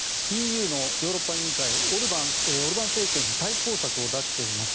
ＥＵのヨーロッパ委員会はオルバン政権に対抗策を出しています。